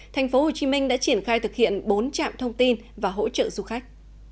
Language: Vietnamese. tp hcm đã triển khai thực hiện bốn trạm thông tin và hỗ trợ du khách